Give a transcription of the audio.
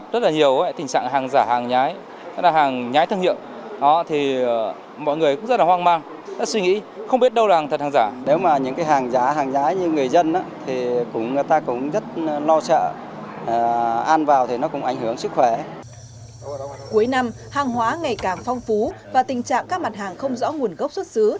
cuối năm hàng hóa ngày càng phong phú và tình trạng các mặt hàng không rõ nguồn gốc xuất xứ